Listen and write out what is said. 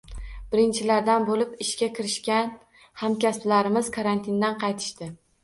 Birinchilardan bo`lib ishga kirishgan hamkasblarimiz karantindan qaytishdi